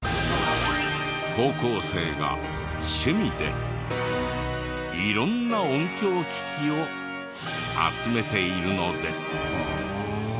高校生が趣味で色んな音響機器を集めているのです。